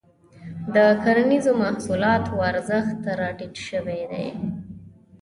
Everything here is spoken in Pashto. د کرنیزو محصولاتو ارزښت راټيټ شوی دی.